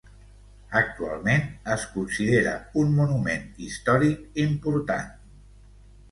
Actualment es considera un monument històric important.